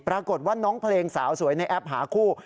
ปรากฏว่าน้องเพลงสาวสวยในแอปหาคู่